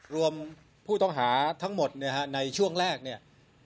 รวมผู้ต้องหาทั้งหมดในช่วงแรกเนี่ย